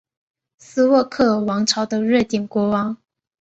斯渥克尔王朝的瑞典国王。